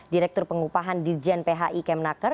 direktur pengupahan di jnphi kemnaker